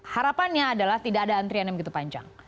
harapannya adalah tidak ada antrian yang begitu panjang